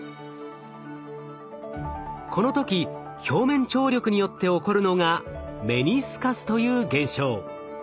この時表面張力によって起こるのがメニスカスという現象。